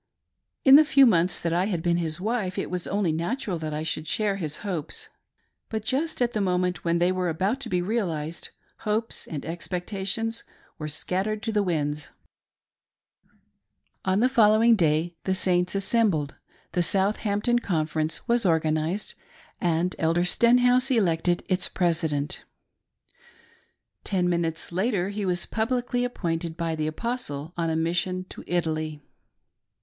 In the few months that I had been his wife, it was only natural that I should share his hopes ; but just at the moment when they were about to be realised, hopes and expectations were scattered to the winds. 94 "VHOMME PROPOSE ET DIEU DISPOSE,." On the following day the Saints assembled, the Southamp ton Conference was organised, and Elder Stenhouse elected its president. Ten minutes later he was publicly appointed by the Apostle on a mission to Italy.